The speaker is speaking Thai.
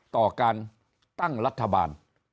ต่อการตั้งรัฐบาล